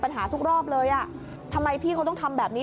เรารู้สึกแย่ไหมวันนั้นที่เจอลูกค้าแบบนี้